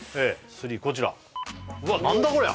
３こちらうわ何だこりゃ